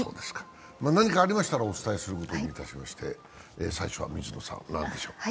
何かありましたらお伝えすることにいたしまして最初は何でしょうか。